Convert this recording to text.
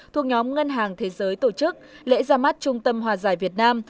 thuộc nhóm ngân hàng thế giới tổ chức lễ ra mắt trung tâm hòa giải việt nam